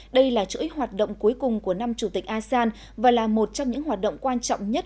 đây là chuỗi hoạt động cuối cùng của năm chủ tịch asean và là một trong những hoạt động quan trọng nhất